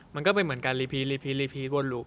มันก็เป็นเหมือนการรีพีลีพีรีพีวนลู